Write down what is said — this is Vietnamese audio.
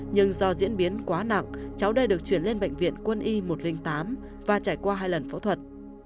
nhưng do diễn biến quá nặng cháu đây được chuyển lên bệnh viện quân y một trăm linh tám và trải qua hai lần phẫu thuật